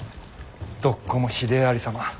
どっこもひでえありさま。